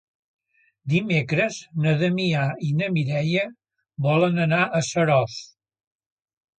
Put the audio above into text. Dimecres na Damià i na Mireia volen anar a Seròs.